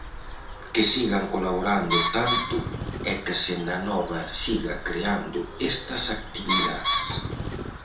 Que sigan colaborando tanto e que Senda Nova siga creando estas actividades.